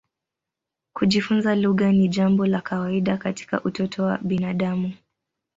Kujifunza lugha ni jambo la kawaida katika utoto wa binadamu.